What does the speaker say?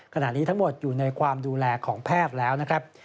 ขณะนี้ทั้งหมดอยู่ในความดูแลของแพทย์แล้วนะครับ